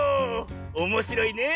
おもしろいねえ。